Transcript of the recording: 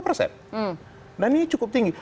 tujuh puluh dua persen dan ini cukup tinggi